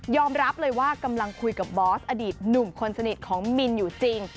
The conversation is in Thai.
รับเลยว่ากำลังคุยกับบอสอดีตหนุ่มคนสนิทของมินอยู่จริง